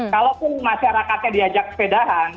kalaupun masyarakatnya diajak kepedahan